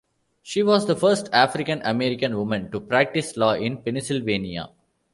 She was the first African-American woman to practice law in Pennsylvania.